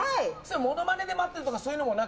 ものまねで待ってるとかそういうのもなく？